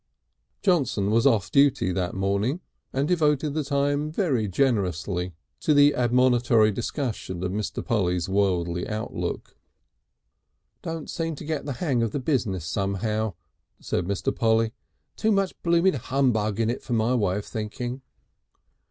Johnson was off duty that morning, and devoted the time very generously to the admonitory discussion of Mr. Polly's worldly outlook. "Don't seem to get the hang of the business somehow," said Mr. Polly. "Too much blooming humbug in it for my way of thinking."